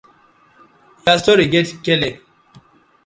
Your story get k-leg!